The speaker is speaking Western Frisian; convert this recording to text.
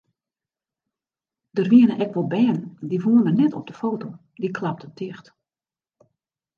Der wienen ek wol bern dy woenen net op de foto, dy klapten ticht.